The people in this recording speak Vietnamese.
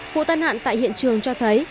vụ tai nạn tại hiện trường cho thấy